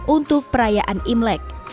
untuk perayaan imlek